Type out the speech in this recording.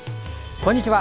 こんにちは。